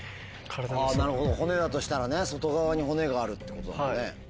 あなるほど骨だとしたら外側に骨があるってことだもんね。